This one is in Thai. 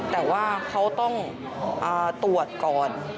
แต่ว่าเขาต้องตรวจก่อน